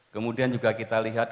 kemudian juga kita lihat